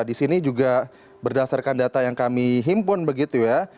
di sini juga berdasarkan data yang kami himpun begitu ya